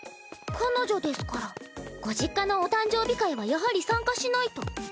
彼女ですからご実家のお誕生日会はやはり参加しないと。